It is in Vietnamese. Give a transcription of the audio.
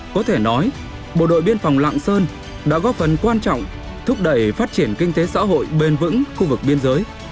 có thể nói bộ đội biên phòng lạng sơn đã góp phần quan trọng thúc đẩy phát triển kinh tế xã hội bền vững khu vực biên giới